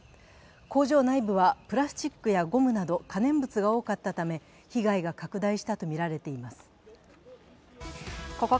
工場内部はプラスチックやゴムなど可燃物が多かったため被害が拡大したとみられています。